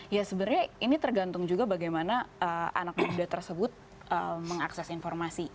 ya sebenarnya ini tergantung juga bagaimana anak muda tersebut mengakses informasi